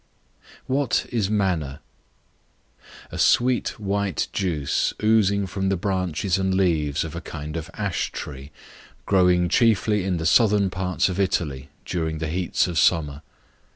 What is Manna? A sweet, white juice, oozing from the branches and leaves of a kind of ash tree, growing chiefly in the southern parts of Italy, during the heats of summer.